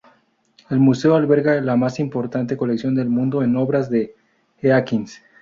El museo alberga la más importante colección del mundo en obras de Eakins.